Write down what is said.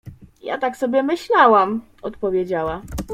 — Ja tak sobie myślałam… — odpowiedziała.